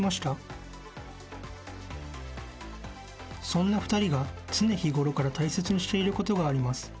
［そんな２人が常日ごろから大切にしていることがあります］